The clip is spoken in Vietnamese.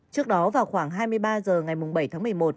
trước đó vào khoảng hai mươi ba h ngày bảy tháng một mươi một